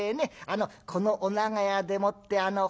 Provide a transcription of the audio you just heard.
このお長屋でもってほらあのええ